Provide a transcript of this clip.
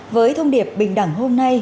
với thông điệp bình đẳng hôm nay